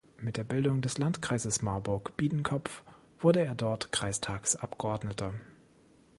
Mit der Bildung des Landkreis Marburg-Biedenkopf wurde er dort Kreistagsabgeordneter.